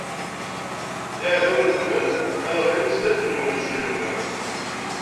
Iɛdawen-nwen ad ɣellin zdat-nwen s ujenwi.